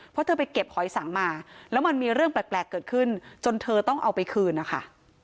เพราะเธอไปเก็บหอยสังมาแล้วมันมีเรื่องแปลกเกิดขึ้นจนเธอต้องเอาไปคืนนะคะ